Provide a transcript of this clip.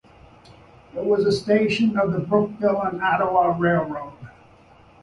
It was a station of the Brockville and Ottawa Railroad.